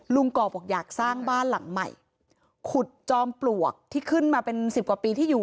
ก่อบอกอยากสร้างบ้านหลังใหม่ขุดจอมปลวกที่ขึ้นมาเป็นสิบกว่าปีที่อยู่